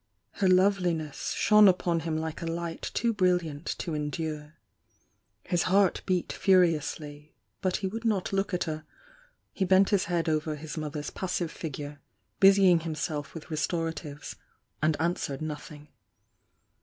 Her loveliness shone upon him like a light too brilliant to endure. His heart beat furiously, but he would not look at her, — he bent his head over his mother's passive figure, busying himself witii restoratives, — and answered nothing.